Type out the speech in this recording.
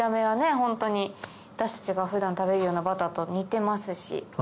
ホントに私たちが普段食べるようなバターと似てますし。